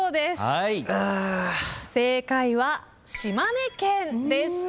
正解は島根県でした。